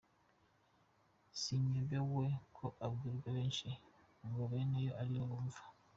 Sinyobewe ko abwirwa benshi ngo beneyo aribo bumva,